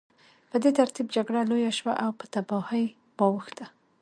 په دې ترتیب جګړه لویه شوه او په تباهۍ واوښته